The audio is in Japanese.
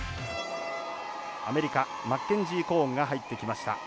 アメリカマッケンジー・コーンが入ってきました。